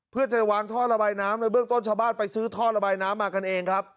เพื่อจะวางท่อระบายน้ำในเบื้องต้นชาวบ้านไปซื้อท่อระบายน้ำมากันเองครับ